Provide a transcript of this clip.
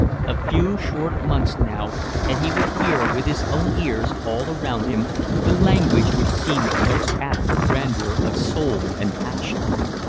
A few short months now, and he would hear with his own ears all around him the language which seemed most apt for grandeur of soul and passion.